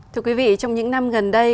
thưa quý vị trong những năm gần đây